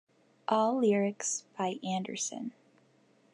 All lyrics by Anderson.